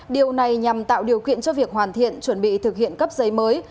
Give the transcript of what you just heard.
điều này nhằm tạo điều kiện cho việc hoàn thiện chuẩn bị thực hiện cấp giấy mới